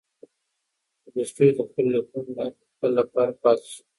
تولستوی د خپلو لیکنو له لارې د تل لپاره پاتې شو.